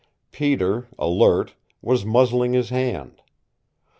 Peter, alert, was muzzling his hand.